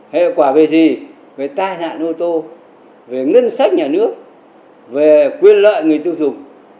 hệ quả về gì về tai nạn ô tô về ngân sách nhà nước về quyền lợi người tiêu dùng